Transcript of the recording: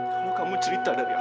kalau kamu cerita dari allah